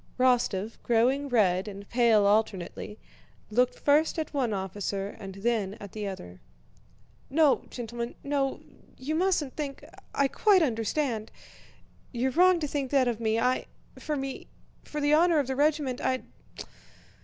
Rostóv, growing red and pale alternately, looked first at one officer and then at the other. "No, gentlemen, no... you mustn't think... I quite understand. You're wrong to think that of me... I... for me... for the honor of the regiment I'd...